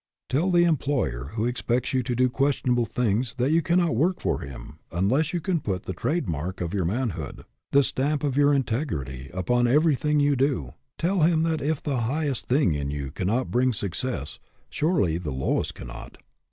Tell the employer who expects you to do questionable things that you cannot work for him unless you can put the trade mark of your manhood, the stamp of your integrity, upon everything you do. Tell him that if the high est thing in you cannot bring success, surely the lowest cannot.